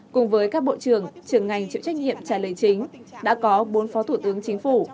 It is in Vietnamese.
cùng với các bộ trưởng trưởng ngành chịu trách nhiệm trả lời chính đã có bốn phó thủ tướng chính phủ